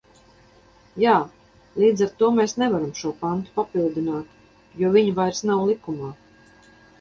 Jā, līdz ar to mēs nevaram šo pantu papildināt, jo viņa vairs nav likumā.